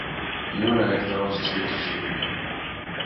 Jūrā ir daudz citu zivju.